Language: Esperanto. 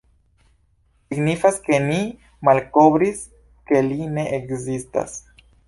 Signifas ke ni malkovris ke li ne ekzistas!”.